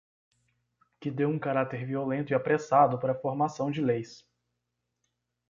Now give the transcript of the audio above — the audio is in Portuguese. Que deu um caráter violento e apressado para a formação de leis.